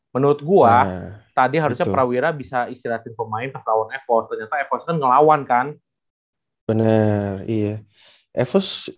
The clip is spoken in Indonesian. menurut gua tadi harusnya prawira bisa istirahatkan pemain pas lawan evo ternyata evo ngelawan kan